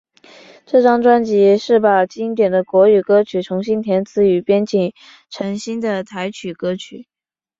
这张专辑是把经典的国语歌曲重新填词与编曲成新的台语歌曲。